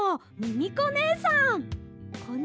ミミコねえさん！